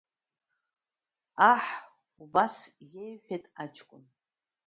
Аҳ убас иеиҳәеит аҷкәын…